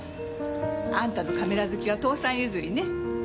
あんたのカメラ好きは父さん譲りね。